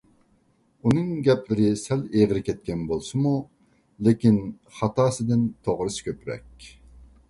ئۇنىڭ گەپلىرى سەل ئېغىر كەتكەن بولسىمۇ، لېكىن خاتاسىدىن توغرىسى كۆپرەك.